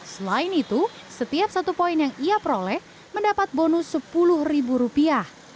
selain itu setiap satu poin yang ia peroleh mendapat bonus sepuluh ribu rupiah